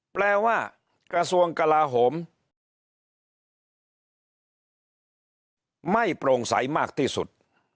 แปลว่ากระทรวงกลาโหมไม่โปร่งใสมากที่สุด